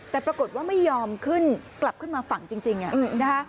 แต่ปรากฏว่าไม่ยอมขึ้นกลับขึ้นมาฝั่งจริงนะคะ